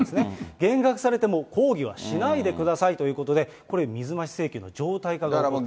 減額されても抗議はしないで下さいということで、これ、水増し請求の常態化が行われていると。